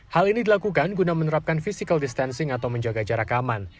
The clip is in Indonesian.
hal ini dilakukan guna menerapkan physical distancing atau menjaga jarak aman